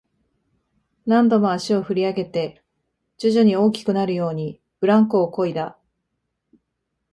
何度も足を振り上げて、徐々に大きくなるように、ブランコをこいだ